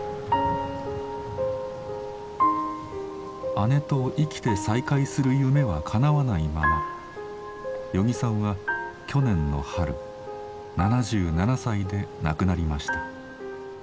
姉と生きて再会する夢はかなわないまま与儀さんは去年の春７７歳で亡くなりました。